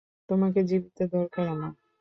তোমাকে জীবিত দরকার আমার।